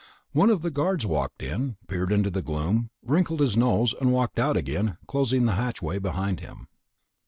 One of the guards walked in, peered into the gloom, wrinkled his nose, and walked out again, closing the hatchway behind him.